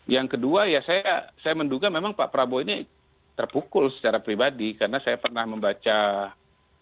yang kedua ya saya menduga memang pak prabowo ini terpukul secara pribadi karena saya pernah membaca